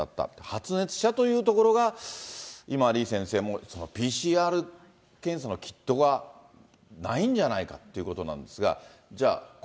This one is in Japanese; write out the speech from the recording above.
発熱者というところが、今、李先生もＰＣＲ検査のキットがないんじゃないかっていうことなん